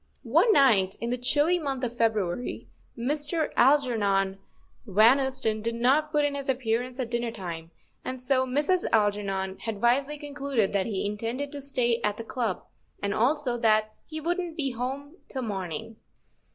One night in the chilly month of February Mr. Algernon Van Ousten did not put in his appearance at dinner time, and so Mrs. Algernon had wisely con¬ cluded that he intended to stay at the club, and also that he " wouldn't be home till morning."